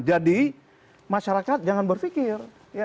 jadi masyarakat jangan berpikir